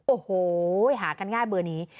โอ้โหหากันง่ายเบอร์นี้